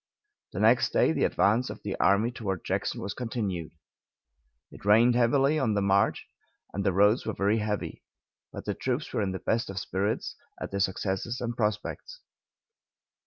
The next day the advance of the army toward Jackson was continued. It rained heavily on the march and the roads were very heavy, but the troops were in the best of spirits at their successes and prospects.